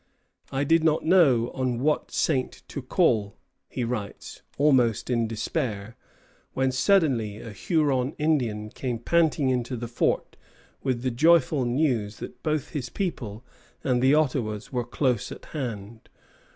"I did not know on what saint to call," he writes, almost in despair, when suddenly a Huron Indian came panting into the fort with the joyful news that both his people and the Ottawas were close at hand.